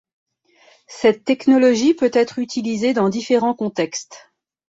Cette technologie peut être utilisée dans différents contextes.